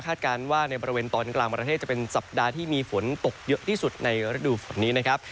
การว่าในบริเวณตอนกลางประเทศจะเป็นสัปดาห์ที่มีฝนตกเยอะที่สุดในฤดูฝนนี้นะครับ